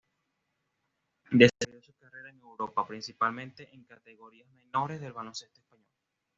Desarrolló su carrera en Europa, principalmente en categorías menores del baloncesto español.